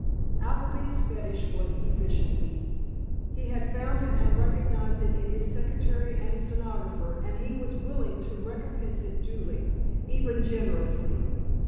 Appleby's fetish was efficiency. He had found it and recognized it in his secretary and stenographer and he was willing to recompense it duly, even generously.